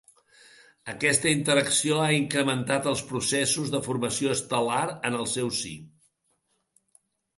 Aquesta interacció ha incrementat els processos de formació estel·lar en el seu si.